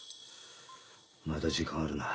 まだ時間あるな。